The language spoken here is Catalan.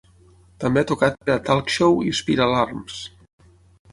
També ha tocat per a Talk Show i Spiralarms.